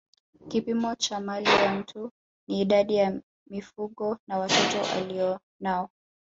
Kipimo cha mali ya mtu ni idadi ya mifugo na watoto alionao